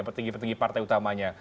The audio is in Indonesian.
petinggi petinggi partai utamanya